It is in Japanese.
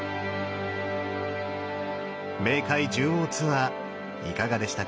冥界十王ツアーいかがでしたか？